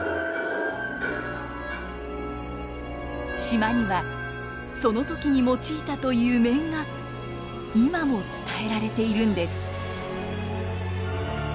島にはその時に用いたという面が今も伝えられているんです。